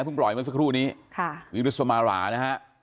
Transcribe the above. เพิ่งปล่อยเมื่อสักครู่นี้ค่ะวิทยุสมรานะฮะ